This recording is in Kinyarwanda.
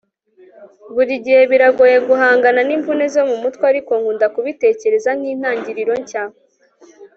buri gihe biragoye guhangana n'imvune zo mu mutwe, ariko nkunda kubitekereza nkintangiriro nshya